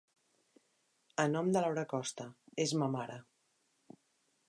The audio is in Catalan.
A nom de Laura Costa, és ma mare.